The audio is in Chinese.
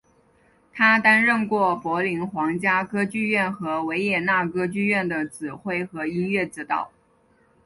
他担任过柏林皇家歌剧院和维也纳歌剧院的指挥和音乐指导。